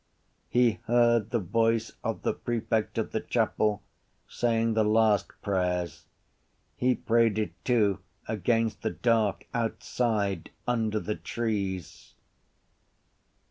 He heard the voice of the prefect of the chapel saying the last prayer. He prayed it too against the dark outside under the trees.